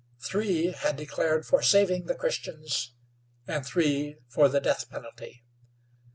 Three had declared for saving the Christians, and three for the death penalty.